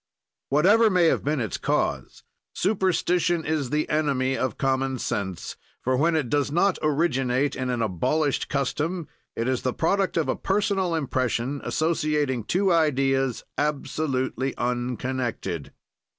Whatever may have been its cause, superstition is the enemy of common sense, for, when it does not originate in an abolished custom, it is the product of a personal impression, associating two ideas absolutely unconnected.